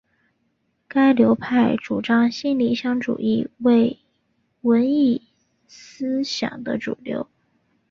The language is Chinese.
该流派主张新理想主义为文艺思想的主流。